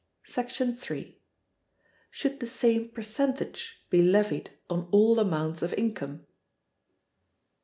§ 3. Should the same percentage be levied on all amounts of Income?